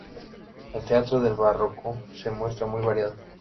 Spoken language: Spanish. El teatro del Barroco se muestra muy variado.